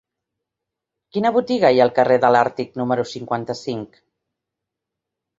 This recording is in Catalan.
Quina botiga hi ha al carrer de l'Àrtic número cinquanta-cinc?